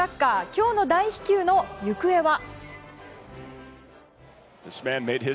今日の大飛球の行方は。